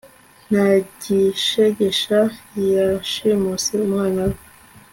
nta gishegesha yashimuse umwana we